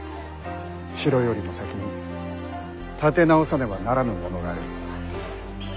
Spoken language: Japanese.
城よりも先に立て直さねばならぬものがある。